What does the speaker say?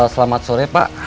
selamat sore pak